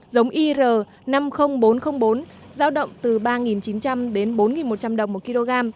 giống ir năm mươi nghìn bốn trăm linh bốn giao động từ ba chín trăm linh đến bốn một trăm linh đồng một kg